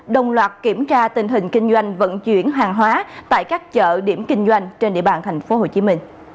đồng loạt kiểm tra tình hình kinh doanh vận chuyển hàng hóa tại các chợ điểm kinh doanh trên địa bàn tp hcm